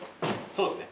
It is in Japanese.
そうですね。